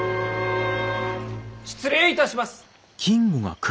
失礼いたします。